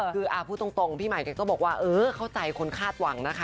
คือพูดตรงพี่ใหม่แกก็บอกว่าเออเข้าใจคนคาดหวังนะคะ